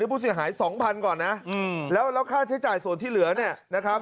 ผู้เสียหายสองพันก่อนนะแล้วค่าใช้จ่ายส่วนที่เหลือเนี่ยนะครับ